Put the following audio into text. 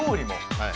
はい。